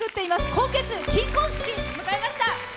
今月、金婚式を迎えました。